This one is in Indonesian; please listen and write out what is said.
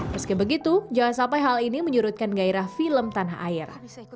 meski begitu jangan sampai hal ini menyurutkan gairah film tanah air